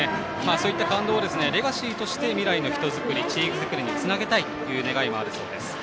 そういった感動をレガシーとして未来の人づくりチーム作りにつなげたいという思いもあるそうです。